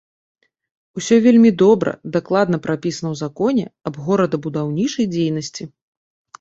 Усё вельмі добра, дакладна прапісана ў законе аб горадабудаўнічай дзейнасці.